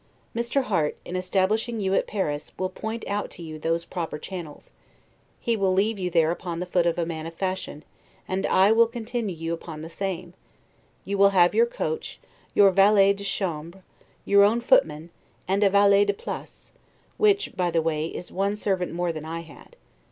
Mr. Harte, in establishing you at Paris, will point out to you those proper channels; he will leave you there upon the foot of a man of fashion, and I will continue you upon the same; you will have your coach, your valet de chambre, your own footman, and a valet de place; which, by the way, is one servant more than I had.